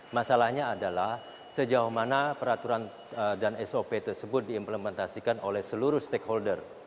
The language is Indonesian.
masalahnya adalah sejauh mana peraturan dan sop tersebut diimplementasikan oleh seluruh stakeholder